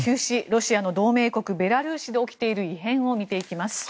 ロシアの同盟国、ベラルーシで起きている異変を見ていきます。